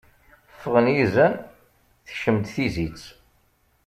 Ffɣen yizan, tekcem-d tizit.